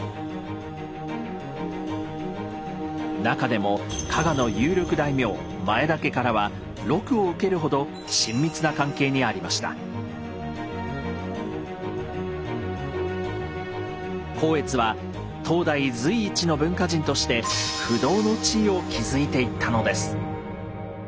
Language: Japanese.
なかでも加賀の有力大名前田家からは禄を受けるほど光悦は当代随一の文化人として不動の地位を築いていったのです。